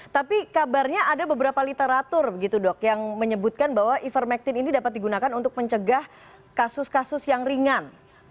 tapi kabarnya ada beberapa literatur begitu dok yang menyebutkan bahwa ivermectin ini dapat digunakan untuk mencegah kasus kasus yang ringan